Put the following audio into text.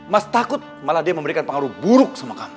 mas takut malah dia memberikan pengaruh buruk sama kamu